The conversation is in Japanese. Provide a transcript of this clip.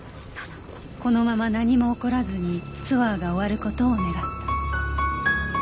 このまま何も起こらずにツアーが終わる事を願った